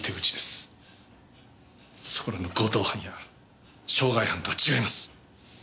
そこらの強盗犯や傷害犯とは違います。